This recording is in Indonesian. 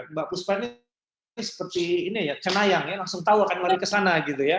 mbak pusman ini seperti cenayang ya langsung tahu akan lari ke sana